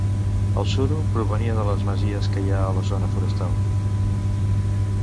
El suro provenia de les masies que hi ha a la zona forestal.